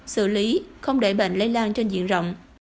xử lý không để bệnh lây lan trên diện rộng